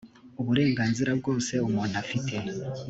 uburenganzira bwose umuntu afite